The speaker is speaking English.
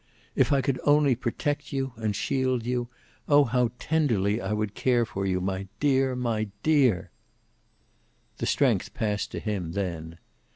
"If I could only protect you, and shield you oh, how tenderly I could care for you, my dear, my dear!" The strength passed to him, then.